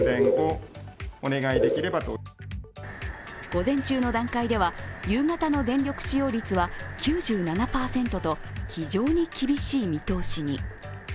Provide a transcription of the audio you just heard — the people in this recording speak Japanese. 午前中の段階では、夕方の電力使用率は９７％と非常に厳しい見通しに。